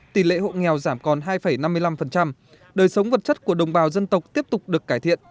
tỷ lệ hộ nghèo giảm còn hai năm mươi năm đời sống vật chất của đồng bào dân tộc tiếp tục được cải thiện